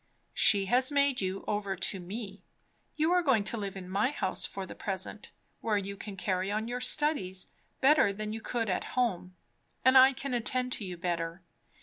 "She has made you over to me. You are going to live in my house for the present, where you can carry on your studies better than you could at home, and I can attend to you better.